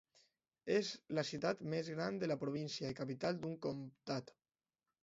És la ciutat més gran de la província i capital d'un comtat.